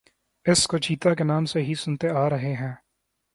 اس کو چیتا کے نام سے ہی سنتے آرہے ہیں